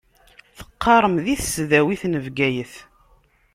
Teqqaṛem di tesdawit n Bgayet.